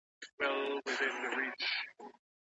دا ئې د هغه عمل سزا ده، چي هغه انجام کړی وو.